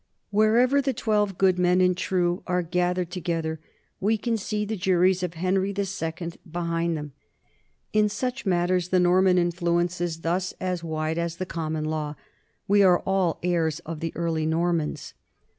Wherever the twelve good men and true are gathered together, we can see the juries of Henry II behind them. In such matters the Norman influence is thus as wide as the common law ; we are all heirs of the early Normans.